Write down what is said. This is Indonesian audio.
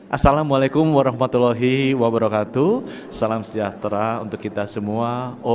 assalamualaikum warahmatullahi wabarakatuh salam sejahtera untuk kita semua